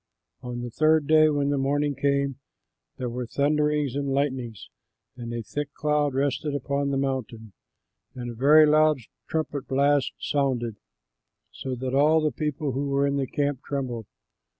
On the third day, when morning came, there were thunderings and lightnings and a thick cloud rested upon the mountain, and a very loud trumpet blast sounded, so that all the people who were in the camp trembled.